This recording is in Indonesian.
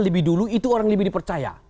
lebih dulu itu orang lebih dipercaya